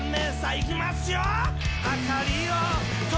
いきますよ！